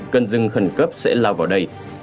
cân dưng khẩn cấp sẽ lao vào đây